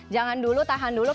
jangan dulu tahan dulu